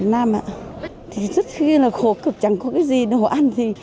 rất khí là khổ cực chẳng có cái gì nổ ăn